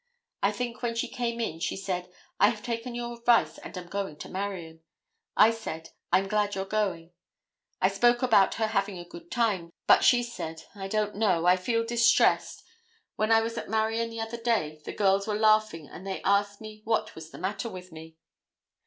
I think when she came in she said, 'I have taken your advice, and am going to Marion.' I said 'I'm glad you're going'; I spoke about her having a good time, but she said, 'I don't know; I feel distressed; when I was at Marion the other day the girls were laughing and they asked me what was the matter with me.